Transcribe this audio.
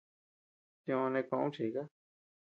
Tiö neʼe koʼö kuchika.